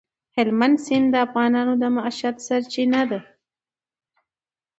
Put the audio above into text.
هلمند سیند د افغانانو د معیشت سرچینه ده.